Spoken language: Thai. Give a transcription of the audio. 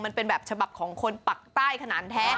มันเป็นแบบฉบับของคนปักใต้ขนาดแท้